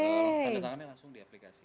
tanda tangannya langsung diaplikasi